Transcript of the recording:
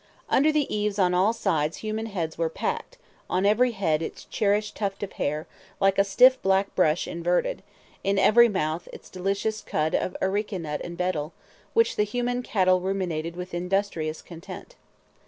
Under the eaves on all sides human heads were packed, on every head its cherished tuft of hair, like a stiff black brush inverted, in every mouth its delicious cud of areca nut and betel, which the human cattle ruminated with industrious content.